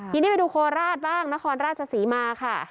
ทีนี้ไปดูโคราชบ้างนครราชศรีมาค่ะ